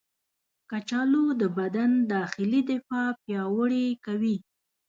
کچالو د بدن داخلي دفاع پیاوړې کوي.